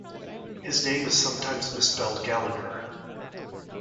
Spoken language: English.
His name is sometimes misspelled "Gallagher".